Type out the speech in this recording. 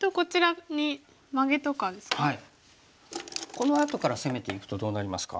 このあとから攻めていくとどうなりますか？